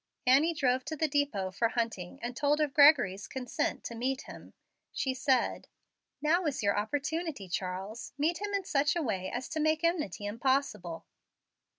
Annie drove to the depot for Hunting, and told of Gregory's consent to meet him. She said, "Now is your opportunity, Charles. Meet him in such a way as to make enmity impossible."